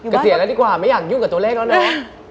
เกษียณแล้วดีกว่าไม่อยากยุ่งกับตัวเลขแล้วนะ